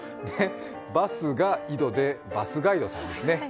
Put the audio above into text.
バスが井戸で、バスガイドですね。